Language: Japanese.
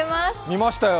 見ましたよ。